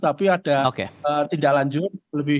tapi ada tindak lanjut